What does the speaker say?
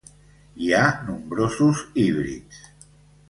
Hi ha nombrosos híbrids.